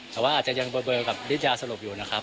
แต่ว่าอาจจะยังเบอร์กับนิดยาสลบอยู่นะครับ